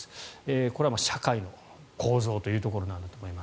これは社会の構造というところなんだと思います。